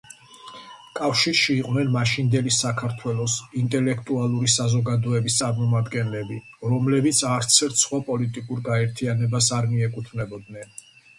კავშირში იყვნენ მაშინდელი საქართველოს ინტელექტუალური საზოგადოების წარმომადგენლები, რომლებიც არცერთ სხვა პოლიტიკურ გაერთიანებას არ მიეკუთვნებოდნენ.